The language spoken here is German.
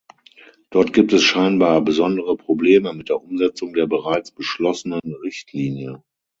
Dort gibt es scheinbar besondere Probleme mit der Umsetzung der bereits beschlossenen Richtlinie.